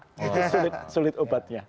itu sulit obatnya